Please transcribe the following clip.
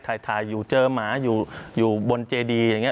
ถ่ายอยู่เจอหมาอยู่บนเจดีอย่างนี้